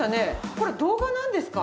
これ動画なんですか？